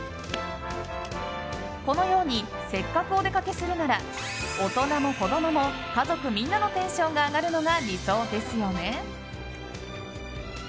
このようにせっかくお出かけするなら大人も子供も家族みんなのテンションが上がるのが理想ですよね。